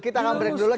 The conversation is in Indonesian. kita akan break dulu